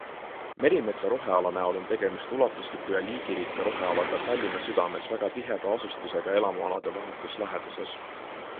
Merimetsa roheala näol on tegemist ulatusliku ja liigirikka rohealaga Tallinna südames, väga tiheda asustusega elamualade vahetus läheduses.